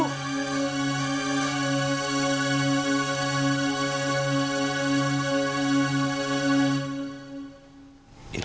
uangnya sepuluh juta